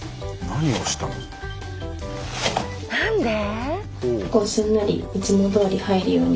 何で？